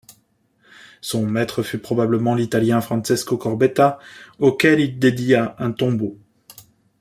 Son maître fut probablement l'Italien Francesco Corbetta, auquel il dédia un Tombeau.